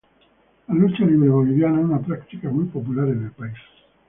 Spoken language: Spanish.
La lucha libre boliviana una práctica muy popular en el país.